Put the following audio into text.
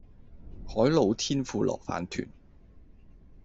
海老天婦羅飯糰